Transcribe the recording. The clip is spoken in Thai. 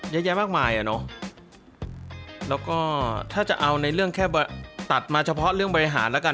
เยอะแยะมากมายอ่ะเนอะแล้วก็ถ้าจะเอาในเรื่องแค่ตัดมาเฉพาะเรื่องบริหารแล้วกัน